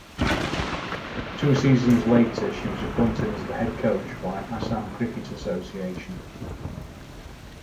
Two seasons later she was appointed as the head coach by Assam Cricket Association.